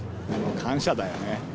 感謝だよね。